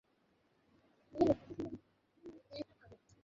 তিনি কংগ্রেস সভাপতি নির্বাচিত হন।